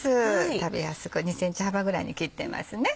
食べやすく２ｃｍ幅ぐらいに切ってますね。